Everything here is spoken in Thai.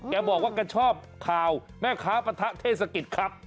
แกบอกว่าแกชอบข่าวแม่ค้าปะทะเทศกิจครับ